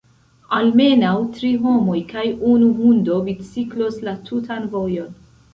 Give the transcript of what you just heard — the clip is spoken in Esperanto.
Almenaŭ tri homoj kaj unu hundo biciklos la tutan vojon.